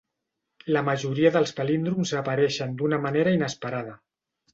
La majoria dels palíndroms apareixen d'una manera inesperada.